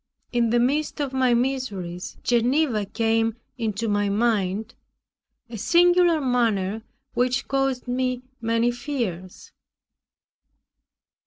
In the midst of my miseries, Geneva came into my mind, a singular manner, which caused me many fears.